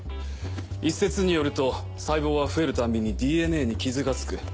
一説によると細胞は増えるたびにＤＮＡに傷がつく。